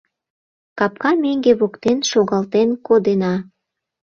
Капка меҥге воктен шогалтен кодена.